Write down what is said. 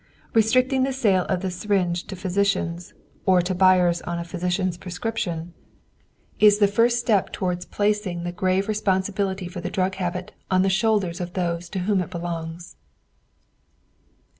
Restricting the sale of the syringe to physicians, or to buyers on a physician's prescription, is the first step toward placing the grave responsibility for the drug habit on the shoulders of those to whom it belongs.